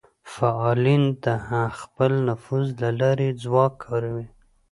فعالین د خپل نفوذ له لارې ځواک کاروي